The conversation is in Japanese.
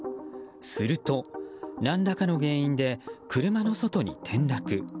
すると、何らかの原因で車の外に転落。